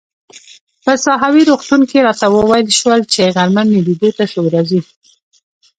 په ساحوي روغتون کې راته وویل شول چي غرمه مې لیدو ته څوک راځي.